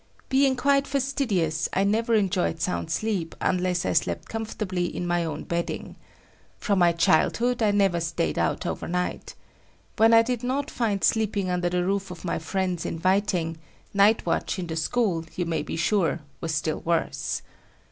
Being quite fastidious, I never enjoyed sound sleep unless I slept comfortably in my own bedding. From my childhood, I never stayed out overnight. When I did not find sleeping under the roof of my friends inviting, night watch in the school, you may be sure, was still worse.